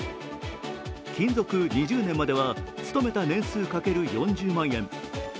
勤続２０年までは務めた年数×４０万円。